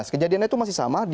kejadian itu masih sama